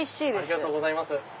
ありがとうございます。